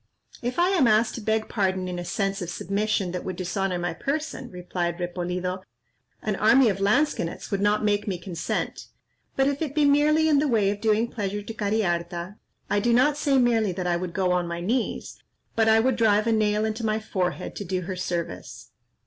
"If I am asked to beg pardon in a sense of submission that would dishonour my person," replied Repolido, "an army of lansquenets would not make me consent; but if it be merely in the way of doing pleasure to Cariharta, I do not say merely that I would go on my knees, but I would drive a nail into my forehead to do her service."